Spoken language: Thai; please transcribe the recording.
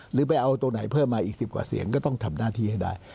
หรือไปเอาตัวไหนเพิ่มมาอีก๑๐กว่าเสียงก็ต้องทำหน้าที่ให้ได้